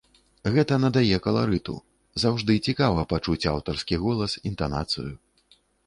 Гэта надае каларыту, заўжды цікава пачуць аўтарскі голас, інтанацыю.